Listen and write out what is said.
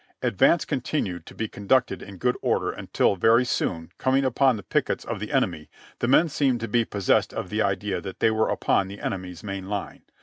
Advance continued to be conducted in good order until very soon, coming upon the pickets of the enemy, the men seemed to be possessed of the idea that they were upon the enemy's main line.